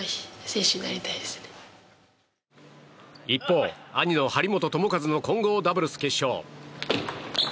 一方、兄の張本智和の混合ダブルス決勝。